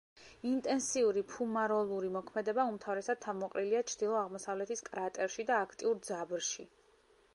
ინტენსიური ფუმაროლური მოქმედება უმთავრესად თავმოყრილია ჩრდილო-აღმოსავლეთის კრატერში და აქტიურ ძაბრში.